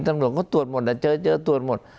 ตำรวจก็ตรวจหมดแต่เจอเจอตรวจหมด